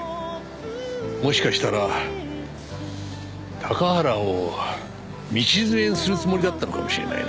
もしかしたら高原を道連れにするつもりだったのかもしれないな。